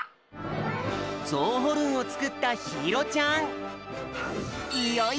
ゾウホルンをつくったひいろちゃん。